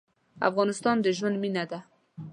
افغانستان د ژوند مېنه ده.